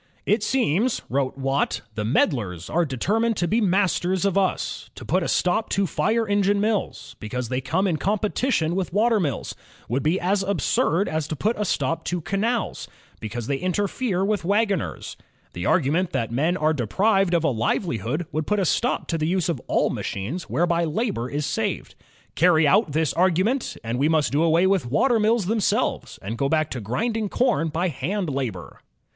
"It seems," wrote Watt, "the meddlers are determined to be masters of us. To put a stop to fire engine mills, because they come in competition with water mills, would be as absurd as to put a stop to canals, because they inter l UDJX ENGINE 22 INVENTIONS OF STEAM AND ELECTRIC POWER fere with wagoners. ... The argument that men are deprived of a livelihood would put a stop to the use of all machines whereby labor is saved. Carry out this argu ment, and we must do away with water mills themselves, and go back again to grinding com by hand labor."